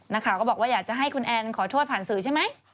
นักข่าวก็บอกว่าอยากจะให้คุณแอนขอโทษผ่านสื่อใช่ไหม